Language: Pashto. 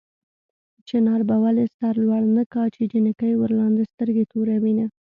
چنار به ولې سر لوړ نه کا چې جنکۍ ورلاندې سترګې توروينه